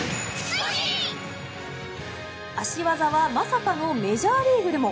足技はまさかのメジャーリーグでも。